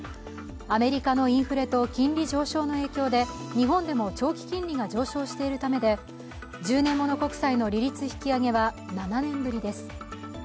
アメリカのインフレと金利上昇の影響で日本でも長期金利が上昇しているためで１０年もの国債の利率引き上げは７年ぶりです。